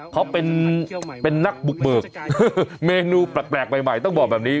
เขาเป็นนักบุกเบิกเมนูแปลกใหม่ต้องบอกแบบนี้